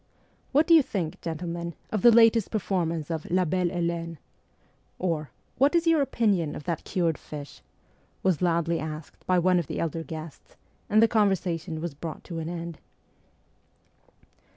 ' What do you think, gentlemen, of the latest performance of " La Belle Helene "?' or, ' What is your opinion of that cured fish? ' was loudly asked by one of the elder guests, and the conversation was brought to an end.